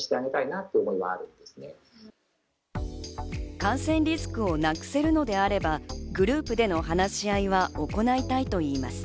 感染リスクをなくせるのであればグループでの話し合いは行いたいといいます。